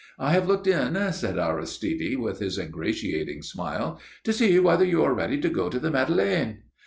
"I have looked in," said Aristide, with his ingratiating smile, "to see whether you are ready to go to the Madeleine."